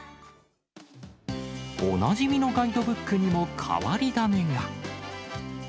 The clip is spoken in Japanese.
おなじみのガイドブックにも変わり種が。